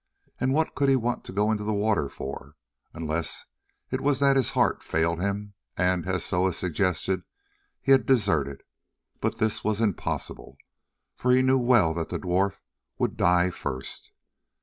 And what could he want to go into the water for, unless it was that his heart failed him and, as Soa suggested, he had deserted. But this was impossible, for he knew well that the dwarf would die first.